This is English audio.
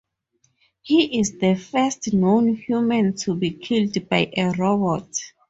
He is the first known human to be killed by a robot.